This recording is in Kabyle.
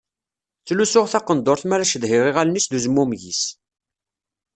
Ttlusuɣ taqendurt mi ara cedhiɣ iɣallen-is d uzmumeg-is.